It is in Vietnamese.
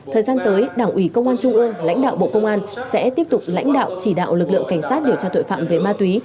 thời gian tới đảng ủy công an trung ương lãnh đạo bộ công an sẽ tiếp tục lãnh đạo chỉ đạo lực lượng cảnh sát điều tra tội phạm về ma túy